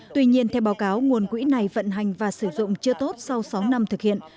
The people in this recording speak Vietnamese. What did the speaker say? tuy nhiên theo báo cáo nguồn quỹ này vận hành và sử dụng chưa tốt sau sáu năm thực hiện